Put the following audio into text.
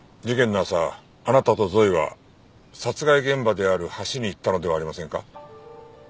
事件の朝あなたとゾイは殺害現場である橋に行ったのではありませんか？